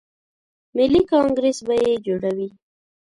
ملي کانګریس به یې جوړوي.